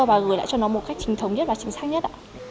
và gửi lại cho nó một cách trình thống nhất và chính xác nhất